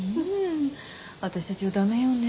私たちはダメよね